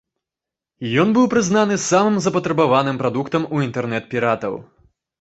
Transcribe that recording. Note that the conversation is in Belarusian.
Ён быў прызнаны самым запатрабаваным прадуктам у інтэрнэт-піратаў.